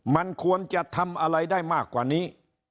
มันควรจะทำอะไรได้มากกว่านี้